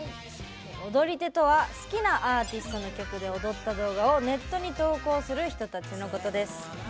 踊り手とは好きなアーティストの曲で踊った動画をネットに投稿する人たちのことです。